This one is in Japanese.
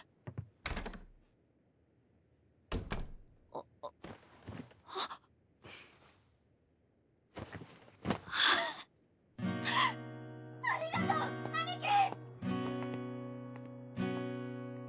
⁉・ありがとう兄貴！！